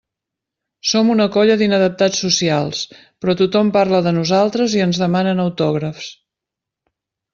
Som una colla d'inadaptats socials, però tothom parla de nosaltres i ens demanen autògrafs.